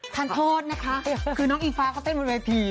ทานโทษนะคะคือน้องอิงฟ้าเขาเต้นบนเวที